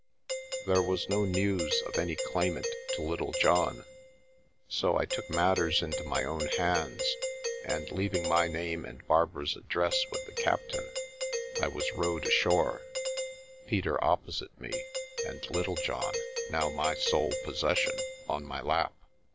There was no news of any claimant to Littlejohn, so I took matters into my own hands, and leaving my name and Barbara's address with the captain, I was rowed ashore, Peter opposite me and Littlejohn, now my sole possession, on my lap.